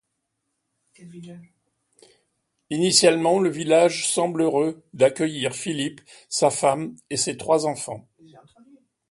Initialement le village semble heureux d’accueillir Philippe, sa femme et ses trois enfants.